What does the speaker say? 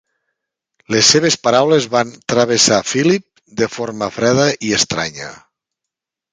Les seves paraules van travessar Philip de forma freda i estranya.